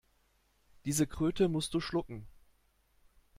Diese Kröte musst du schlucken.